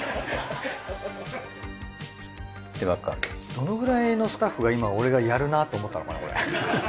どのくらいのスタッフが今俺がやるなと思ったのかなこれ。